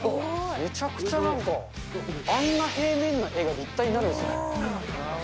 めちゃくちゃなんか、あんな平面な絵が立体になるんですね。